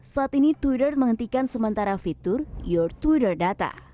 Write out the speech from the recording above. saat ini twitter menghentikan sementara fitur your twitter data